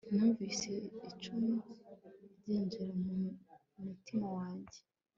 numvise icumu ryinjira mu mutima wanjye